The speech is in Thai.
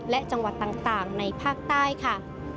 และจังหวัดต่างในภาคใต้ค่ะ